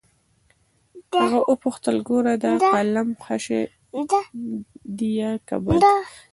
هغه وپوښتل ګوره دا قلم ښه شى ديه که بد.